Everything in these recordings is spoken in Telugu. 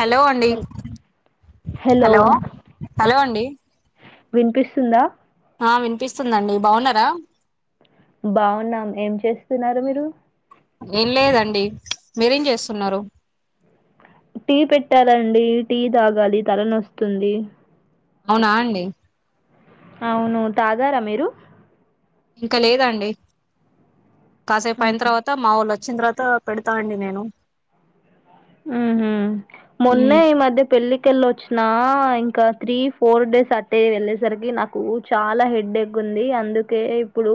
హలో అండి హెల్ హలో హలో అండి వినిపిస్తుందా ఆ వినిపిస్తుందండి బాగున్నారా బావున్నాం ఏం చేస్తున్నారు మీరు ఏం లేదండి మీరేం జేస్తున్నారు టీ పెట్టాలండి టీ తాగాలి తలనోస్తుంది అవునా అండి ఔను తాగారా మీరు ఇంకా లేదండి ఆ కాసేపైన తర్వాత మా వోలు ఒ చ్చిన తర్వాత పెడ్తా అండి నేను ఉహు మ్మ్ మొన్నే ఈ మధ్య పెళ్లి కేళ్లోచ్చినా ఇంకా త్రీ, ఫోర్ డేస్ అటె ఎళ్ళేసరికి నాకు చాలా హెడ్ ఎక్ డి అందుకే ఇప్పుడు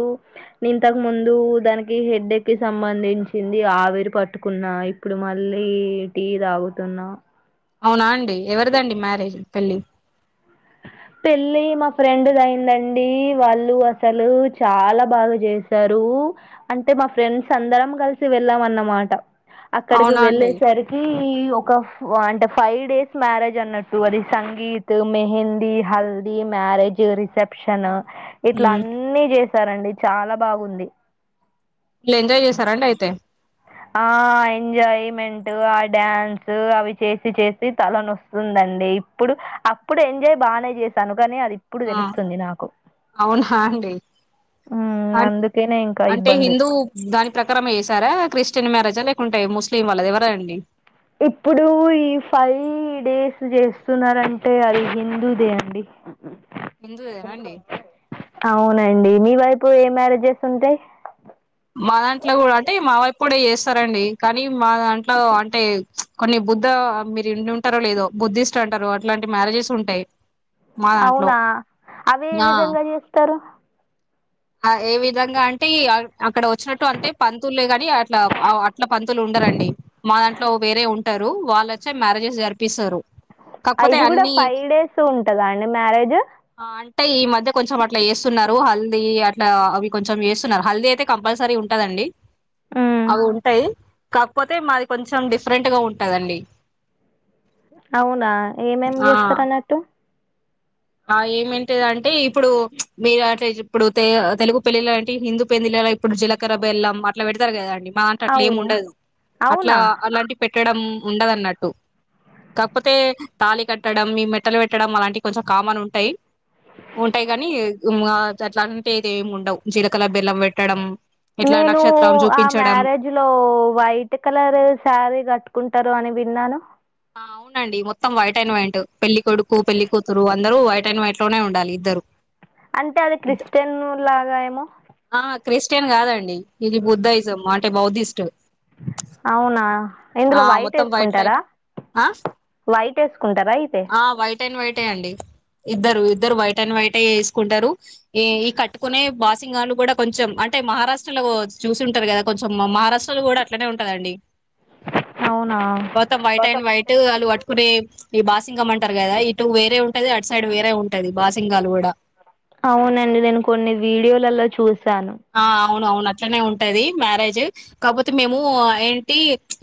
ఇంతక్ముందు దానికి హెడ్డేక్ కి సంబంధించింది ఆవిరి పట్టుకున్నా ఇప్పుడు మళ్ళీ టీ తాగుతున్నా అవునా అండి ఎవరిదండి మ్యారేజ్ పెళ్ళి పెళ్ళీ మా ఫ్రెండ్ అయిందండీ వాళ్ళు అసలు చాలా బాగా చేశారు ఉ అంటే మా ఫ్రెండ్స్ అందరం కలిసి వెళ్ళాంన్నమాట అక్కడికి అవునా అండి వెళ్ళేసరికీ ఈ ఒక అంటె ఫైవ్ డేస్ మ్యారేజ్ అన్నట్టు అది సంగీత్ మెహందీ, హల్దీ, మ్యారేజ్, రిసెప్షన్ ఇట్లా మ్మ్ అన్న జే సరండి చాలా బాగుంది ళ్ళు ఎంజాయ్ చేశారండి ఐతే ఆ ఎంజాయ్మెంట్ ఆ డ్యాన్స్ అవి చేసి చేసి తలనొస్తుందండి ప్పుడు అప్పుడు ఎంజాయ్ బానే చేశాను గని అది ఇప్పుడు ఆ తెలుస్తుంది నాకు మ్మ్ అన్ అందుకేనే ఇంకా అంటే ఇబ్బందులు హిందూ దాని ప్రకారమే చేసారా క్రిష్ చిన్న మ్యారేజా లేకుంటె ముస్లిం వాళ్ద ఎవర అండి ఇప్పుడు ఈ ఫైయ్ డేస్ చేస్తున్నారంటే అది హిందూదే అండి హిందుదేనాండి దండి మీ వైపు ఏ మ్యారేజెస్ ఉంటయి మా దాంట్ల గుడా అంటే మా వైపు గుడా చేస్తారండి కానీ మా దాంట్ల అంటే కొన్ని బుద్ధ మీరు ఇండి ఉంటరో లేదో బుద్ధిస్ట్ అంటరు అట్లాంటి మ్యారేజెస్ ఉంటాయి మా దాంట్లో అవునా అవే విధంగా చేస్తరు అ ఏ విధంగా అంటే అక్కడ ఒచ్చినట్టు అంటే పంతుల్లే గాని అట్లా అట్ల పంతులు ఉం డరండి మా దాంట్లో వేరే ఉంటరు వళ్లోచ్చి మ్యారేజెస్ జరిపిస్సరు అఇది గుడా ఫైయ్ డేస్ ఉంటద అండి మ్యారేజ్ టే ఈ మధ్య కొంచెం అట్లా ఎస్సున్నరు హల్దీ అ ఇట్లా అవి కొంచెం చేస్సున్నరు హల్దీ ఐతే కంపల్సరీ ఉంటందండి మ్మ్ అవి ఉంటాయి కాక్పోతే మాది కొంచెం డిఫరెంట్ గా ఉంటదండి అవునా ఏమేం ఆ చేస్తర అన్నట్టు ఆ ఏమంటిదంటే ఇప్పుడు మీరు టె ఇప్పుడు తెలుగు పెళ్ళిళ అంటి హిందూ పెళ్లి ఇప్పుడు జీలకర్ర బెల్లం అట్లా పెడ్తరు కదండి మాంట అట్లా ఏమి అవును ఉండదు అట్లా అవునా అలాంటి పెట్టడం ఉండదున్నట్ టు కాపోతే తాళి కట్టడం ఈ మెట్టలు పెట్టడం అలాంటి కొంచెం కామన్ ఉంటాయి ఉంటాయి గానీ అట్లా అంటే దేం ఉండవ్ జీలకాల బెల్లం పెట్టడం, ఇట్లా నేను నక్షత్రం చూపించడం ఇట్ కలర్ శారీ కట్టుకుంటరు అని విన్నాను అవునండి మొత్తం వైట్ అన్ వైట్ పెళ్లి కొడుకు పెళ్లి కూతురు అందరు వైట్ అన్ వైట్ లోనే ఉండాలి ఇద్దరు అంటే అది క్రిస్టియను లాగా ఏమో ఆ క్రిస్టియన్ కాదండి ఇది బుద్ధాయిజం అంటే బౌద్ధిస్ట్ ఔనా ఆ ఇందులో వైట్ మొత్తం ఎస్కుంటర లైట్ ఆ వైట్ ఏస్కుంటరా ఐతే ఆ వైట్ అండ్ వైట్ ఏ అండి ఇద్దరు ఇద్దరు వైట్ అండ్ వైట్ వేసుకుంటారు ఈ ఈ కట్టుకునే బాసింగ్లు కూడా కొంచెం అంటే మహారాష్ట్రలో చూసింటారు కదా కొంచెం మహారాష్ట్రలో కూడా అట్లనే ఉంటదండి అవునా మొత్తం వైట్ అండ్ వైట్ వాళ్లుు పట్టుకునే ఈ బాస్ సింగం అంటారు కదా ఇటు వేరే ఉంటది అటు సైడ్ వేరే ఉంటది బాసింగాలు కూడా అవునండి నేను కొన్ని వీడియోలలో చూశాను అవును అవును అట్లనే ఉంటది మ్యారేజ్ కాకపోతే మేము ఏంటి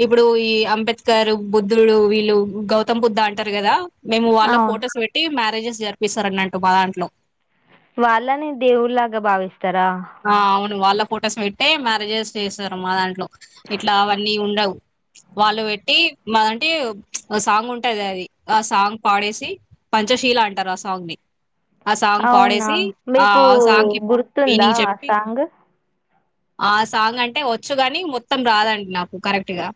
ఇప్పుడు ఈ అంబేద్కర్ గారు బుద్ధుడు వీళ్ళు గౌతమ్ బుద్ధ అంటారు కదా మేము వాళ్ళ అవును ఫొటోస్ పెట్టి మ్యారేజెస్ జరిపిస్తారన్న అంటటు మా దాంట్లో వాళ్ళని దేవుళ్ళు ల భావిస్త ఆ అవును వాళ్ళ ఫోటోస్ పెట్టే మ జేస్ చేస్తారు మా దాంట్లో ఇట్లా అవన్నీ ఉండవు వాళ్ళు పెట్టి మాదంటే సాంగ్ ఉంటది అది ఆ సాంగ్ పాడేసి పంచ సశీల అంటారు ఆ సాంగ్ ని ఆ అవునా మీకు సాంగ్‌కి గుర్తుందా మీనింగ్ ఆ చెప్పి సాంగ్ ఆ సాంగ్ అంటే వచ్చు కాని మొత్తం రాదండి నాకు కరెక్ట్గా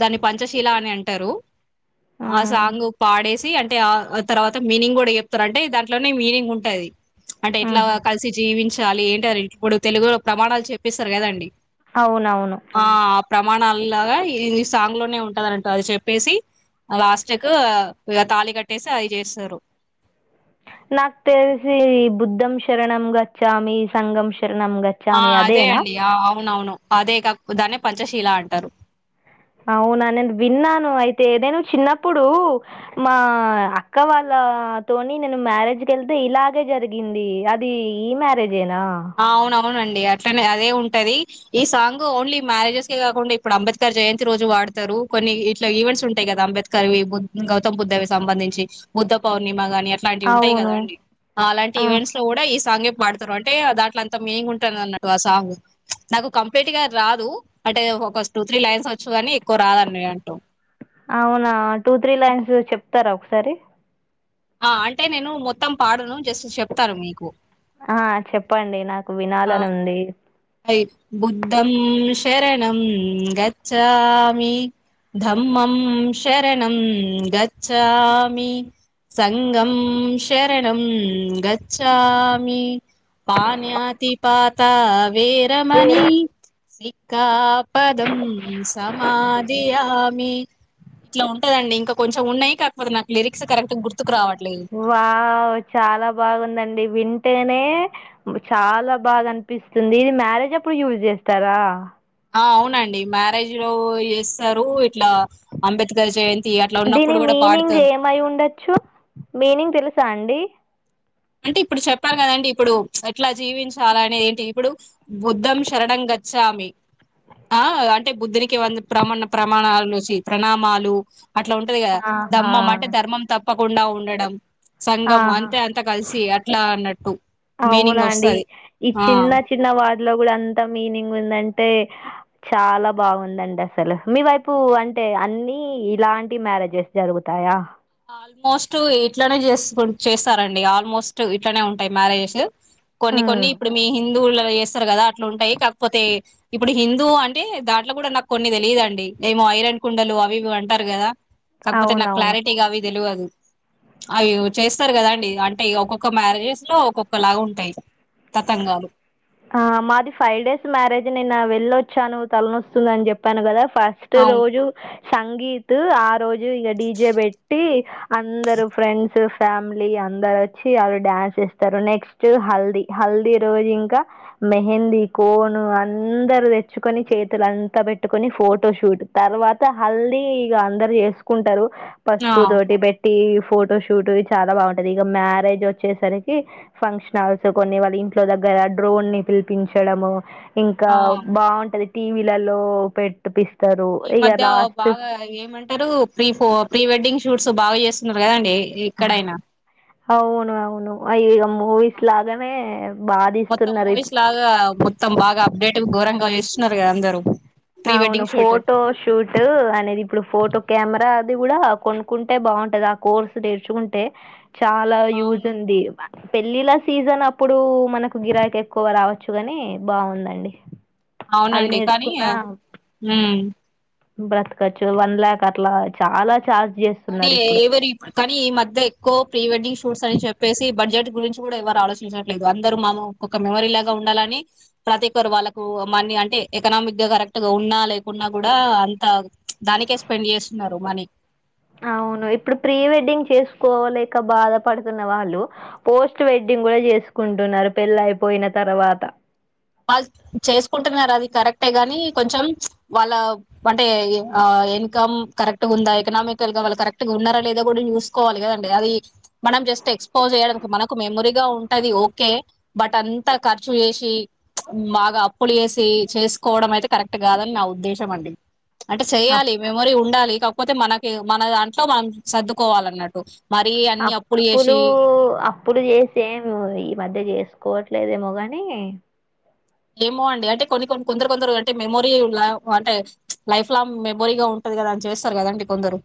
దాన్ని పంచశీల అని అంటారు ఆ ఉమ్, సాంగ్ పాడేసి అంటే ఆ తర్వాత మీనింగ్ కూడా చెప్తారు అంటే దాంట్లోనే మీనింగ్ ఉంటాది అంటే ఎట్లా ఉహు. కలిసి జీవించాలి ఏంట ఇప్పుడు తెలుగులో ప్రమాణాలు చెప్పేస్తారు కదండి అవునవును ఆ ప్రమాణ లాగా ఈ సాంగ్ లోనే ఉంటది అంటారు అది చెప్పేసి లాస్ట్ కు తాళి కట్టేసి అది చేస్తారు నాకు తెలిసి బుద్ధం శరణం గచ్చామి సంగం శరణం ఆ గచ్చామి అదే అదేనా అండి అవునవును అదే కా దాన్న పంచశీల అంటారు అవునా నేను విన్నాను అయితే నేను చిన్నప్పుడు మా అక్క వాళ్ళ తోని నేను మ్యారేజ్ క వెళ్తే ఇలాగే జరిగింది అది ఈ మ్యారేజ్ అగేనా అవునండి అట్లానే అదే ఉంటది ఈ సాంగ్ ఓన్లీ మ్యారేజెస్ కి కాకుండా ఇప్పుడు అంబేద్కర్ జయంతి రోజు వా ఆడతారు కొన్ని ఇట్లా ఈవెంట్స్ ఉంటాయి కదా అబేద్కర్ గౌతమ్ బుద్ధవి సంబంధించి బుద్ధ పౌర్ణిమ అట్లా ఉంటాయి అవును కదం అలాంటి ఆ ఈవెంట్స్ లో కూడా ఈ సాంగ్డతారు అ అంటే దాంట్లో అంత మీనింగ్ ఉంటుంది అన్నట్టు ఆ సాంగ్ నాకు కంప్లీట్ గా రాదు అంటే ఒక త్రీ లైన్స్ వచ్చు కానీ ఎక్కువ రాదని అంటూ అవునా టూ త్రీ లైన్స్ చెప్తారా ఒకసారి ఆ అంటే నేను మొత్తం పాడను జస్ట్ చెప్తాను మీకు ఆ చెప్పండి నాకు వినాలను ఉంది అయి బుద్ధం శరణం గచ్చామి ధమ్మం శరణం గచ్చామి సంగం శరణం గచ్చామి పాణతి పాత వేరమణి పేరు సి కా పదం సమాధయామి ఇట్లా ఉంటదండింకాంచెం ఉన్నాయి కాకపో నా లిరిక్స్ కరెక్ట్గా గుర్తు వా చాలా బాగుందండి వి అంటేనే చాలా బాగా అనిపిస్తుంది ఇది మ్యారేజ్ అప్పుడు యూజ్ చేస్తారా ఆ అవునండి మ్యారేజ్ లో చేస్తారు ఇట్లా అంబేద్కర్ చే దీని మీనింగ్ ఏమయి ఉండొచ్చు మీనింగ్ తెలుసా అండి అంటే ఇప్పుడు చెప్పారు కదండి ఇప్పుడు ఎట్లా జీవించాల అనేది ఏంటి ఇప్పుడు బుద్ధం శరంగా పచ్చామి ఆ అంటే బుద్ధునికి వంది ప్రమాణ ప్రమాణాల నుంచి ప్రణామాలు అట్లా ఉంటది కదా ఆహా ధమ్మం అంటే ధర్మం తప్పకుండా ఉండడం సంఘం అంతే అంతా కలిసి అట్లా అన్నట్టు మీనింగ్ అవునాండి వస్తది ఈ ఆ చిన్న చిన్న వాలో కూడా అంత మీనింగ్ ఉందంటే చాలా బాగుందండి అసలు మీ వైపు అంటే అని ఇలాంటి మ్యారేజెస్ జరుగుతాయా ఆల్మోస్ట్ ఇట్లనే చే చేస్తారంండి ఆల్మోస్ట్ ఇట్లనే ఉంటాయి మ్యారేజెస్ కొన్ని హ్మ్ కొన్ని ఇప్పుడు మీ హిందువుల చేస్తారు కదా అట్లు ఉంటాయి కాకపోతే ఇప్పుడు హిందూ అంటే దాంట్లో కూడా నాకు కొన్ని తెలియదుండి ఏమో హఐరన్ కుండలు అవి అంటారు కదా కాకపోతే నాకు అవునవును క్లారిటీ తెలవాడు అయో చేస్తారు కదాండి అంటే ఒక్కొక్క మ్యారేజెస్ లో ఒక్కొక్క లాగా ఉంటాయి తతంగాలు ఆ మాది ఫైవ్ డేస్ మ్యారేజ్ నిన్న వెళ్ళొచ్చు చాను తలనొస్తుంద అని చెప్పాను కదా ఫస్ట్ అవును రోజు సంగీత్ ఆ రోజు ఇక డీజే పెట్టి అందరు ఫ్రెండ్స్ ఫ్యామిలీ అందరు వచ్చి వాళ్ళు డ్యాన్స్ ఇస్తారు నెక్స్ట్ హల్దీ హల్దీ రోజు ఇంకా మెహందీ కోను అందరు తెచ్చుకొని చేతులు అంతా పెట్టుకుని ఫోటో షూట్ తర్వాత హల్ది ఇక అందరు చేసుకుంటారు ఆ పసుపు దోటి బెట్ట టీ ఫోటో షూట్ ఇ చాలా బాగుంటది ఇక మ్యారేజ్ వచ్చేసరికి ఫంక్షన్ల్స్ కొ వాళ్ళ ఇంట్లో దగ్గర డ్రోన్ ని పిలిపించడము ఇంకా ఆ బాగుంటది టీవీలలో పెట్టిపిస్త ఈ మధ్య బాగా ఏమంటారు ప్రీ ప్రీ వెడ్డింగ్ షూట్స్ బాగా చేస్తున్నారు కదండి ఎక్కడైనా అవును అవును ఇగ ఆ మూవీస్ లాగానే బాగా మొత్తం తీస్తున్నారు మూవీస్ లాగా మొత్తం బాగా అప్డేట్ ఘోరంగా చేస్తున్నారు కదా అందరూ అవును ఫోటో షూట్ అనేది ఇప్పుడు ఫోటో కెమెరా అది కూడా కొనుక్కుంటే బాగుంటది ఆ కోర్సు నేర్చుకుంటే చాలా యూజ్ అవును ఉంది పెళ్ళిళ సీజన్ అప్పుడు మనకు గిరాకి ఎక్కువ రావచ్చు ని బాగుందండి అది అవునండి కానీ నేర్చుకున్నా హమ్ బ్రతకచ్చు వన్ ల్యాక్ అట్లా చాలా చా కానీ ఎవరు కానీ ఈ మధ్య ఎక్కువ ప్రీ వెడ్డింగ్ షూట్స్ అని చెప్పేసి బడ్జెట్ గురించి కూడా ఎవరు ఆలోచించట్లేదు అందరు మా ఒక మెమరీ లాగా ఉండాలని ప్రతి ఒకరు వాళ్ళకు మా అంటే ఎకనామిక్ గా కరెక్ట్ గా ఉన్నా లేకున్నా కూడా అంత దానికే స్పెండ్ చేస్తున్నారు మనీ అవును ఇప్పుడు ప్రీ వెడ్డింగ్ చేసుకోలేక బాధపడుతున్న వాళ్ళు పోస్ట్ వెడ్డింగ్ కూడా చేసుకుంటున్నారు పెళ్ళ అయిపోయిన తర్వాత వాళ్ళు చేసుకుంటున్నారు అది కరెక్టే గాని కొంచెం వాళ్ళ అంటే ఇన్కమ్ కరెక్ట్ ఉందా ఎకనామికల్ గా వాళ్ళు కరెక్ట్గా ఉన్నారా లేదో కూడా చూసుకోవాలి కదండి అది మనం జస్ట్ ఎక్స్పోజ్ చేయడానికి మనకు మెమరీగా ఉంటంది ఓకే బట్ అంత ఖర్చు చేసి బాగా అప్పులు చాసి చేసుకోవడం అయితే కరెక్ట్ కాదని నా ఉద్దేశం అండి అంటే చెయ్యాలి మెమరీ ఉండాలి కాకపోతే మనకి మన దాంట్లో మనం సర్దుకోవాల అన్నట్టు అప్పులు అప్పు అప్పులు చేసేమ ఈ మధ్య చేసుకోవట్లేదేమో కాని ఏమో అండి అంటే కొన్ని కొన్ని కొందరు కొందరు అంటే మెమోరీ అంటే లైఫ్ లాంగ్ మెమరీగా ఉంటు కదా అని చేస్తారు కదంటే కొందరు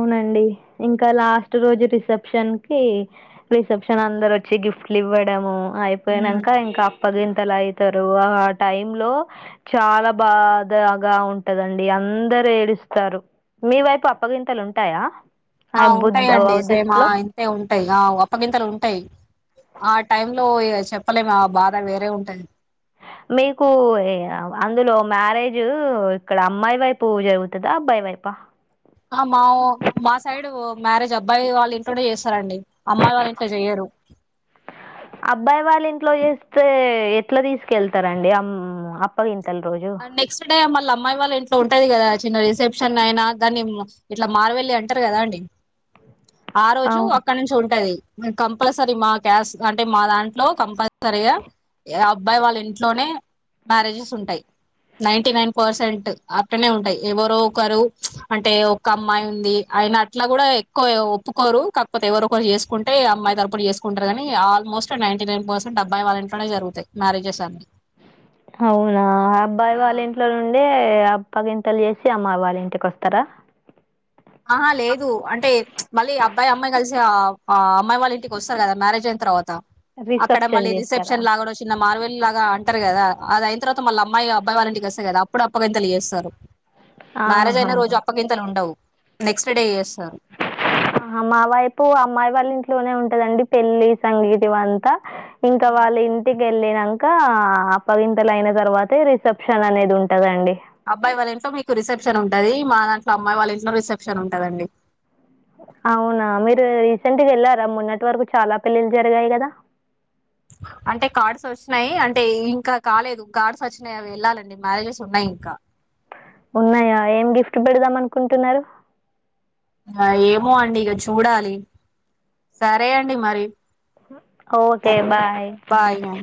అవునండి ఇంకా లాస్ట్ రోజు రిసెప్షన్ కి రిసెప్షన్ అందరు వచ్చి గిఫ్ట్ ఇవ్వడము హ్మ్. అయిపోయినాక ఇంకా అప్పగింతలు ఐతారు టైమ్ లో చాలా బాధగా ఉంటదండి అందరు ఏడుస్తారు మీ వైపు అప్పగింతలు ఉంటాయా ఆ బుద్ ఉంటాయిండి సేమ్ ఆ దిస్ట్లో ఇంతే ఉంటాయి ఆ అప్పగింతలు ఉంటాయి ఆ టైమ్ లో చెప్పలేము ఆ బాధ వేరే ఉంటుది మీకు అందులో మ్యారేజ్ ఇక్కడ అమ్మాయి వైపు జరుగుతుందా అబ్బాయి వైపు వాహ ఆ మా మా సైడు మ్యారేజ్ అబ్బాయి వాళ్ళ ఇంట్లోనే చేస్తారండి అమ్మాయి వాళ్ళ ఇంట్లో జేయ్యరు ఇట్లో చేస్తే ఎట్లా తీసుకెళ్తారండి అ అప్పగెం నెక్స్ట్ డే మళ్ళ అమాయి వాళ్ళ ఇంట్లో ఉంటది కదా చిన్న రిసెప్షన్ అయినా దాన్ని ఇట్లా మార్వెళ్ళి అంటారు కదా అండి ఆ రోజు అవును అక్కడి నుంచి ఉంటది కంపల్సరీ మా క్యాస్ట్ అంటే మా దాంట్లో కంపల్సరీగా అబ్బాయి వాళ్ళ ఇంట్లోనే మ్యారేజెస్ ఉంటాయి నైన్టీ నైన్ పర్సెంట్ అట్నే ఉంటాయి ఎవరో ఒకరు అంటే ఒక అమ్మాయి ఉంది ఆయన అట్లా కూడా ఎక్కువ ఒప్పుకోరు కాకపోతే ఎవరు ఒకరు చేసుకుంటే అమ్మాయి తరపున చేసుకుంటారు కాని ఆల్మోట్ నాయేంటింనైన్ ఆబ్బాయి వాళ ఇట్లోనే జరుగుతయి మ్యారేజెస్ అన్ని అవునా అబ్బాయి ఆ వాళ్ళ ఇంట్లోనుండే ఎ అప్పాగింతలు చేసి అమ్మ వాళ్ళ ఇంటికి వస్తారా ఆహా లేదు అంటే చ్చు మళ్ళీ అబ్బాయి అమ్మాయి కలిసి ఆ అమ్మాయి వాళ్ళ ఇంటికి వస్తారు కదా మ్యారేజ్ అయిన తర్వాత అక్కడ రిసెప్షన్ మళ్ళీ చేస్తారా రిసెప్షన్ లాగానో చిన్న మార్ లాగా అంటారు కదా అది అయిన తర్వాత మల్ల అమ్మాయి అబ్బాయి వాళ్ళంటికి కొ స్త కదాప్పుడు అప్పగింతలు చేస్తారు మ్యారేజ్ ఆహా అయిన రోజు అప్పగింతలు ఉండవు నెక్స్ట్ డే చేస్తారు మా వైపు అమ్మాయి వాళ్ళ ఇంట్లోనే ఉంట కదండి పెళ్లి సంగీత్ ఇవి అంత ఇంకా వాళ్ళ ఇంటి వెళ్ళినంక అప్పగింతల అయిన తర్వాతే రిసెప్షన్ అనేది ఉంటదండి అబ్బాయి వాళ్ళ ఇంట్లో మీకు రిసెప్షన్ ఉంటుది మా దాంట్లో అమ్మాయి వాళ్ళ ఇంట్లో రిసెప్షన్ ఉంటదండి అవునా మీరు రీసెంట్ వెళ్లారా మొన్నటి వరకు చాలా పెళ్ళిలు జరిగాయి కదా [unintelligible] అంటే కార్డ్స్ వచ్చినాయి అంటే ఇంకా కాలేదు కార్డ్స్ వచ్చినాయి అవి వెళ్ళాలండి మ్యారేజెస్ ఉన్నాయి ఇంకా [inaudible] ఉన్నాయా ఏం గిఫ్ట్ పెడదాం అనుకుంటున్నారు ఏమో అండి ఇక చూడాలి సరే అండి మరి ఓకే బాయ్ బాయ్ అండి.